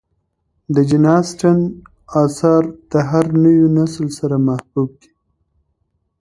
د جین اسټن آثار د هر نوي نسل سره محبوب دي.